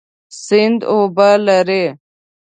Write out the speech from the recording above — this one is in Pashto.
سیند اوبه لري.